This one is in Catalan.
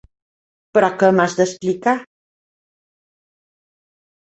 Però què m'has d'explicar?